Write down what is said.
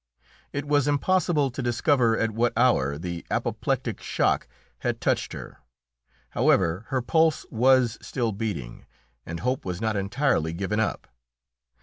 It was impossible to discover at what hour the apoplectic shock had touched her; however, her pulse was still beating, and hope was not entirely given up.